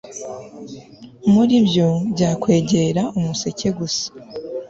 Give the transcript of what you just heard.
Muri byo byakwegera umuseke gusa